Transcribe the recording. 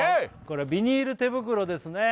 これビニール手袋ですね